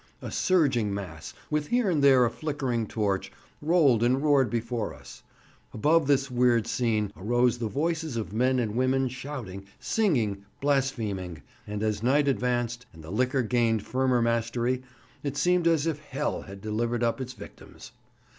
A surging mass, with here and there a flickering torch, rolled and roared before us; above this weird scene arose the voices of men and women shouting, singing, blaspheming; and as night advanced, and the liquor gained firmer mastery, it seemed as if hell had delivered up its victims.